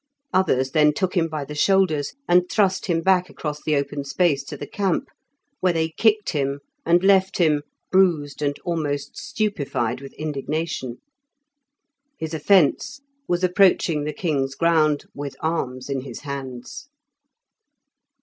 Others then took him by the shoulders and thrust him back across the open space to the camp, where they kicked him and left him, bruised, and almost stupefied with indignation. His offence was approaching the king's ground with arms in his hands.